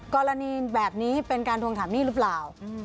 กรณีแบบนี้เป็นการทวงถามหนี้หรือเปล่า